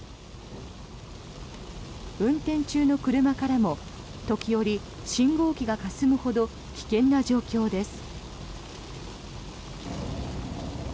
運転中の車からも時折、信号機がかすむほど危険な状況です。